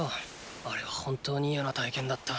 あれは本当に嫌な体験だった。